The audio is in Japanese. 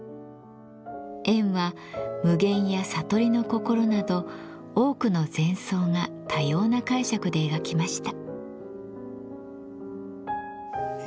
円は無限や悟りの心など多くの禅僧が多様な解釈で描きました。